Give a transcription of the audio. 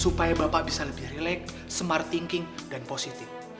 supaya bapak bisa lebih relax smart thinking dan positif